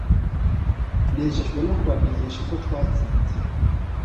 Nejejwe no kubamenyesha ko twatsinze